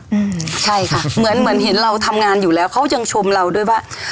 อืมใช่ค่ะเหมือนเหมือนเห็นเราทำงานอยู่แล้วเขายังชมเราด้วยว่า